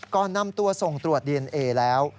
ก่อนนำตัวส่งตรวจดีเอนเอแล้ว